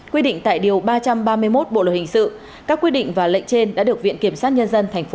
quy định tại điều ba trăm ba mươi một bộ luật hình sự các quyết định và lệnh trên đã được viện kiểm sát nhân dân tp hcm